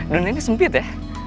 donennya sempit ya